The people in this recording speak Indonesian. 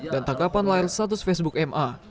dan tangkapan layar status facebook